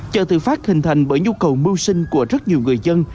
chợ tự phát hình thành bởi nhu cầu mưu sinh của rất nhiều người dân